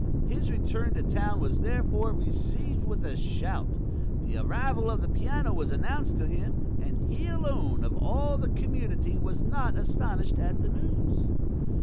His return to town was therefore received with a shout. The arrival of the piano was announced to him, and he alone of all the community was not astonished at the news.